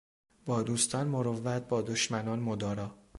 با دوستان مروّت با دشمنان مدارا